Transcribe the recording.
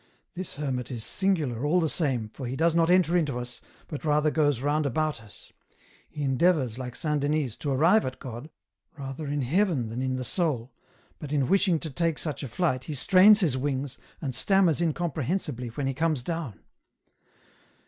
This hermit is singular, all the same, for he does not enter into us, but rather goes round about us ; he endeavours, like Saint Denys, to arrive at God, rather in heaven than in the soul, but in wishing to take such a flight, he strains his wings, and stammers incomprehensibly when he comes down.